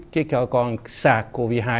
cái con sars cov hai